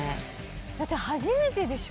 だって初めてでしょ？